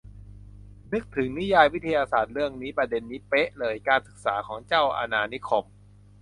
นึกถึงนิยายวิทยาศาสตร์เรื่องนี้ ประเด็นนี้เป๊ะเลย การศึกษาของเจ้าอาณานิคม